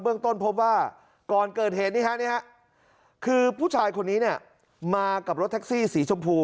ต้นพบว่าก่อนเกิดเหตุนี้คือผู้ชายคนนี้เนี่ยมากับรถแท็กซี่สีชมพู